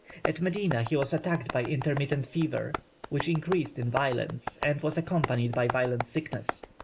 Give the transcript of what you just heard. At Medina he was attacked by intermittent fever, which increased in violence, and was accompanied by violent sickness.